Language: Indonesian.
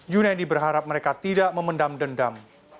junedi berharap mereka tidak memendam dendam